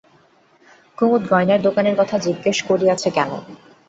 কুমুদ গয়নার দোকানের কথা জিজ্ঞাসা করিয়াছে কেন?